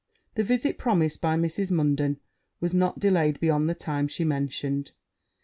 The visit promised by Mrs. Munden was not delayed beyond the time she mentioned.